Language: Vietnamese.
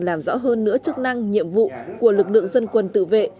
làm rõ hơn nữa chức năng nhiệm vụ của lực lượng dân quân tự vệ